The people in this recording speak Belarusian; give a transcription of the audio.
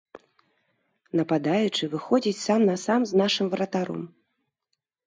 Нападаючы выходзіць сам на сам з нашым варатаром.